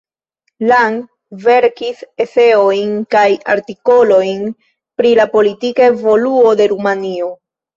Lang verkis eseojn kaj artikolojn pri la politika evoluo de Rumanio.